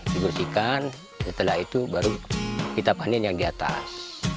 dibersihkan setelah itu baru kita panen yang di atas